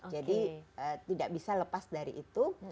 jadi tidak bisa lepas dari itu